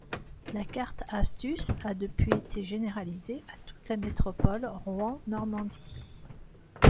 La carte Astuce a depuis été généralisée à toute la métropole Rouen Normandie.